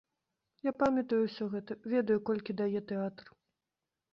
Я памятаю ўсё гэта, ведаю, колькі дае тэатр.